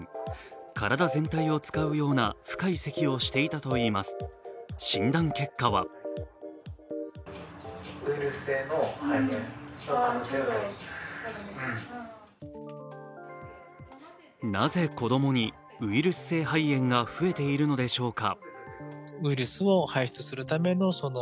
体全体を使うような深いせきをしていたといいます、診断結果はなぜ子供にウイルス性肺炎が増えているのでしょうか。